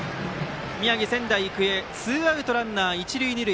宮城・仙台育英ツーアウトランナー、一塁二塁。